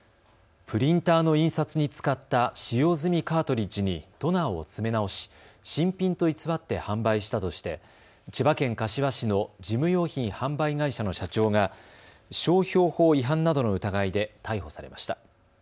プリンターの印刷に使った使用済みカートリッジにトナーを詰め直し新品と偽って販売したとして千葉県柏市の事務用品販売会社の社長が商標法違反などの疑いで逮捕されました。